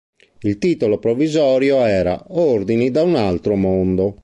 Il titolo provvisorio era "Ordini da un altro mondo".